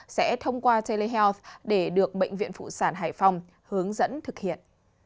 sẽ thông qua telehealth để được bệnh viện phụ sản hải phòng hướng dẫn thực hiện